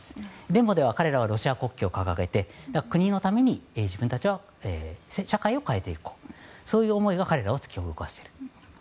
デモでは彼らはロシア国旗を掲げて国のために自分たちは社会を変えていこうという思いが彼らを突き動かしている。